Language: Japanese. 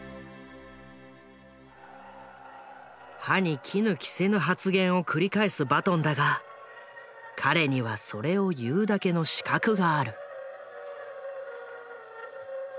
歯に衣着せぬ発言を繰り返すバトンだが彼にはそれを言うだけの資格がある。